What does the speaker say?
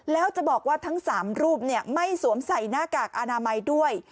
แล้วจะบอกว่าทั้ง๓รูปไม่สวมใส่หน้ากากอนามัยด้วย